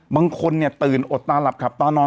บางคนเนี่ยตื่นอดตาหลับขับตานอน